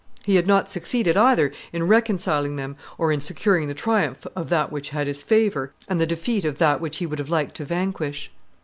He had not succeeded either in reconciling them or in securing the triumph of that which had his favor and the defeat of that which he would have liked to vanquish.